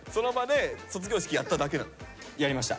やりました。